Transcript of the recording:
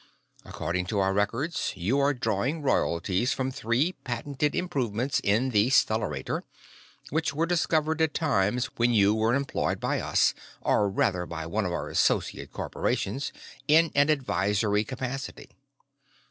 According to our records, you are drawing royalties from three patented improvements in the stellarator which were discovered at times when you were employed by us or, rather, by one of our associative corporations in an advisory capacity.